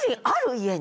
家に。